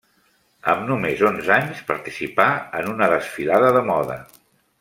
Amb només onze anys, participà en una desfilada de moda.